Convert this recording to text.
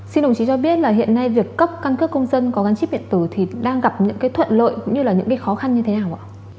xin đồng chí cho biết là hiện nay việc cấp căn cước công dân có gắn chip điện tử thì đang gặp những cái thuận lợi cũng như là những cái khó khăn như thế nào ạ